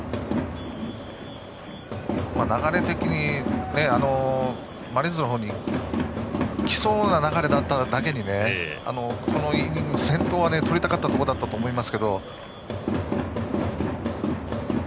流れ的にマリーンズのほうにきそうな流れだっただけにこのイニング、先頭はとりたかったと思いますが。